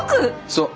そう。